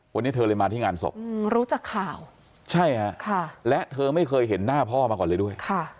วันนี้เธอเลยมาที่งานศพรู้จักข่าวใช่ฮะและเธอไม่เคยเห็นหน้าพ่อมาก่อนเลยด้วย